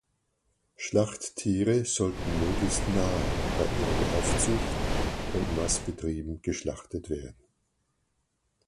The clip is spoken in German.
Schlachttiere sollten möglichst nahe bei ihren Aufzucht- und Mastbetrieben geschlachtet werden.